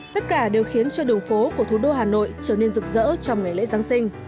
tất cả đều khiến cho đường phố của thủ đô hà nội trở nên rực rỡ trong ngày lễ giáng sinh